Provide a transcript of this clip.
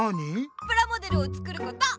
プラモデルを作ること！